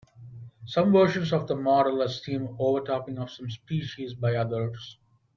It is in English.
Some versions of the model assume overtopping of some species by others.